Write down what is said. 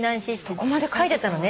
そこまで書いてたの？